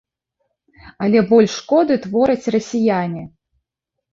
Але больш шкоды твораць расіяне.